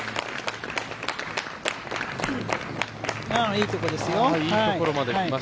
いいところですよ。